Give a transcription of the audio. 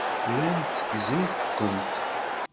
Llan tteggzen-kent.